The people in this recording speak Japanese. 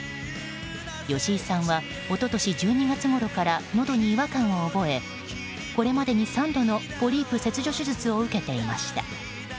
吉井さんは一昨日１２月ごろからのどに違和感を覚えこれまでに３度のポリープ切除手術を受けていました。